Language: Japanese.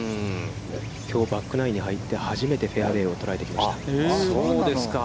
きょうバックナインに入って、初めてフェアウェイを捉えてきました。